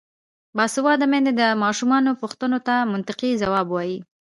باسواده میندې د ماشومانو پوښتنو ته منطقي ځواب وايي.